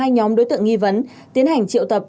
hai nhóm đối tượng nghi vấn tiến hành triệu tập